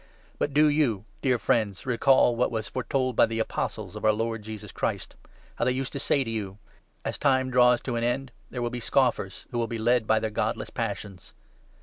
But do you, dear friends, recall what was fore 17 A chri.tinn'. told by the Apostles of our Lord Jesus Christ ; how 18 ?owa"d* they used to say to you — 'As time draws to an end, the«« there will be scoffers, who will be led by their Teacher., godless passions.'